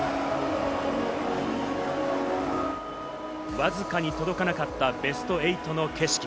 わずかに届かなかったベスト８の景色。